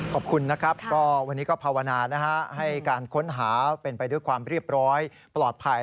ขอบคุณนะครับก็วันนี้ก็ภาวนานะฮะให้การค้นหาเป็นไปด้วยความเรียบร้อยปลอดภัย